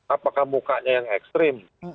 apakah mukanya yang ekstrim